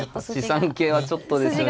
８三桂はちょっとですよね。